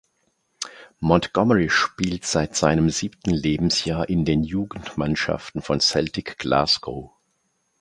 Montgomery spielt seit seinem siebten Lebensjahr in den Jugendmannschaften von Celtic Glasgow.